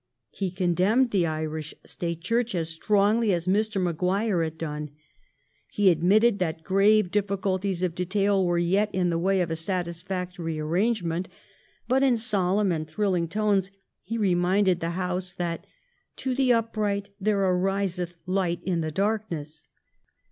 He con demned the Irish State Church as strongly as Mr. Maguire had done. He admitted that grave difficulties of detail were yet in the way of a satisfactory arrangement, but in solemn and thrill ing tones he reminded the House that "to the upright there ariseth light in the darkness.''